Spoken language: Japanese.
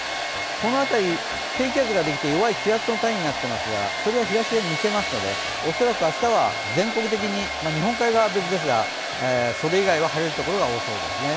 この辺り、低気圧ができて、弱い気圧の谷になっていますが、それは東へ抜けますので、恐らく明日は全国的に、日本海側は別ですがそれ以外は晴れるところが多そうですね。